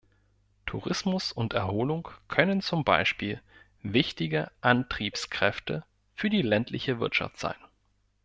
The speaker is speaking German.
Tourismus und Erholung können zum Beispiel wichtige Antriebskräfte für die ländliche Wirtschaft sein.